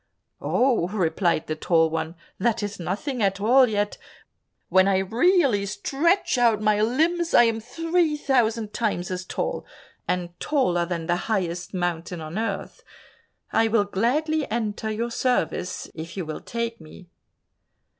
"Oh," replied the Tall One, "that is nothing at all yet; when I really stretch out my limbs, I am three thousand times as tall, and taller than the highest mountain on earth. I will gladly enter your service, if you will take me."